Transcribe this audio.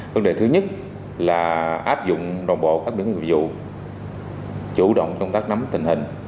vấn đề thứ nhất là áp dụng đồng bộ các biện pháp nghiệp vụ chủ động chống tác nắm tình hình